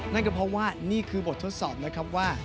นั่นก็เพราะว่านี่คือบททดสอบนะครับว่า